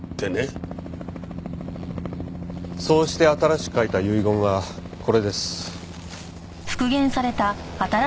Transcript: そうして新しく書いた遺言がこれです。